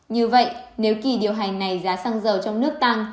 như vậy nếu kỳ điều hành này giá xăng dầu